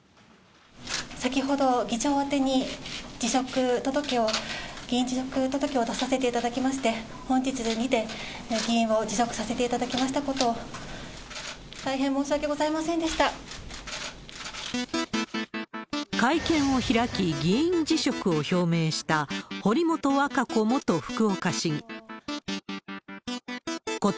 先ほど、議長宛てに議員辞職届を出させていただきまして、本日にて議員を辞職させていただきましたことを、大変申し訳ござ会見を開き、議員辞職を表明した堀本和歌子